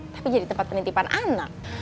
tapi jadi tempat penitipan anak